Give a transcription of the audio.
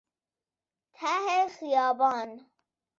ته خیابان